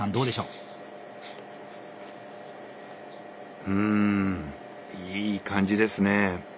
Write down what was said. うんいい感じですねえ。